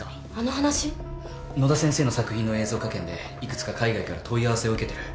野田先生の作品の映像化権で幾つか海外から問い合わせを受けてる。